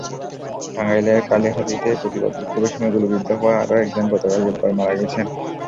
টাঙ্গাইলের কালিহাতীতে প্রতিবাদ বিক্ষোভের সময় গুলিবিদ্ধ হওয়া আরও একজন গতকাল রোববার মারা গেছেন।